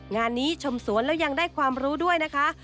งานนี้ชมสวนแล้วยังได้ความรู้ด้วยนะคะ